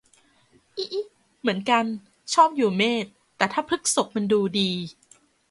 อิอิ เหมือนกัน ชอบอยู่เมษ แต่ถ้าพฤษกมันดูดี